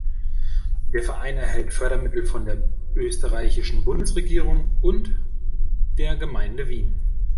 Der Verein erhält Fördermittel von der österreichischen Bundesregierung und der Gemeinde Wien.